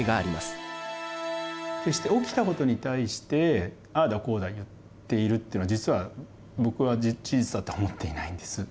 決して起きたことに対してああだこうだ言っているってのは実は僕は事実だと思っていないんです。